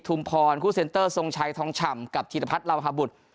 พรคู่เซ็นเตอร์ทรงชัยทองฉ่ำกับธีรพัฒน์ลาวฮบุตร